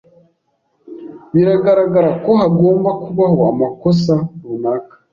Biragaragara ko hagomba kubaho amakosa runaka.